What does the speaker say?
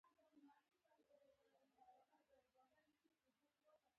هر کال به یې د واده اجازه ورکول کېده.